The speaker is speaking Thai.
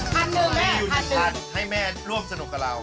เข้าไปอยู่ดิ้งค่ะให้แมาเม่ล่วมสนุกกับเรา